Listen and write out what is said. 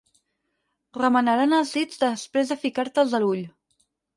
Remenaran els dits després de ficar-te'ls a l'ull.